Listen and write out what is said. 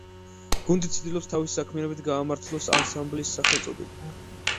გუნდი ცდილობს თავისი საქმიანობით გაამართლოს ანსამბლის სახელწოდება.